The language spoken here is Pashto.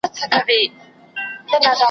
پرېږده پنځه زره کلن خوبونه وزنګوو .